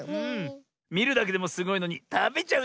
みるだけでもすごいのにたべちゃうなんてね！